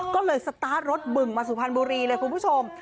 ก็เลยสตาร์ทรถบึงมาสุพรรณบุรีเลยคุณผู้ชม